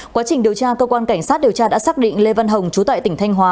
quá trình điều tra cơ quan cảnh sát điều tra đã xác định lê văn hồng chú tại tỉnh thanh hóa